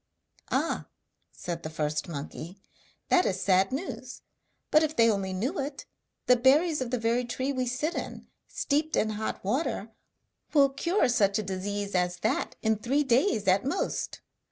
'Ah!' said the first monkey, 'that is sad news; but if they only knew it, the berries of the very tree we sit in, steeped in hot water, will cure such a disease as that in three days at most.'